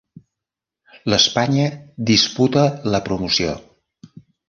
L'Espanya disputa la promoció.